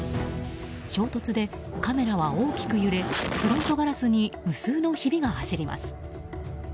衝突でカメラは大きく揺れフロントガラスに無数のひびが走ります。